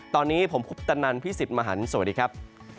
ตอนนี้ผมคุปตนันพี่สิทธิ์มหันฯสวัสดีครับ